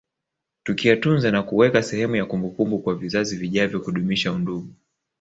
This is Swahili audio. Tukiyatunza na kuweka sehemu ya kumbukumbu kwa vizazi vijavyo kudumisha undugu